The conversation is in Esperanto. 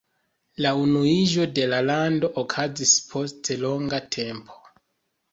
La unuiĝo de lando okazis post longa tempo.